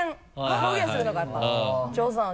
表現するのがやっぱ上手なので。